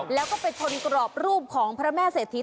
แล้วก็ไปชนกรอบรูปของพระแม่เศรษฐี